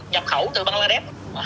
nhập khẩu từ bangladesh